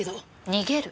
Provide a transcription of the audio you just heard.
逃げる？